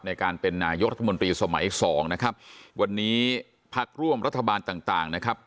ในการเป็นนายกรัฐมนตรีสมัยสองนะครับวันนี้พักร่วมรัฐบาลต่างต่างนะครับ